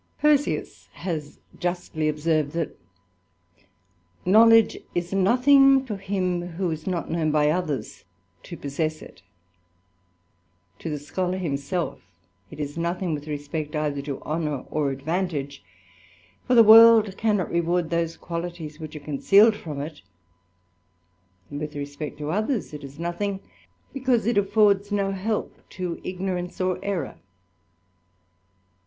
Perseus has justly observed, that knowledge is nothing to lim who is not known by others to possess it: to the K:bo1ar himself it is nothing with respect either to honour )r advantage, for the world cannot reward those qualities ?hich are concealed from it; with respect to others it is lothing, because it affords no help to ignorance or error.